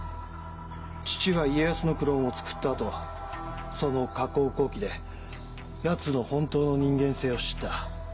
父は家康のクローンをつくった後その『家康公記』でヤツの本当の人間性を知った。